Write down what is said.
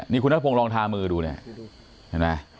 นี่คุณนัทธพงศ์ลองทามือดูนะฮะ